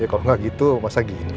ya kalau nggak gitu masa gini